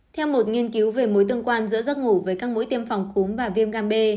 theo một nghiên cứu về mối tương quan giữa giấc ngủ với các mũi tiêm phòng cúm và viêm gan b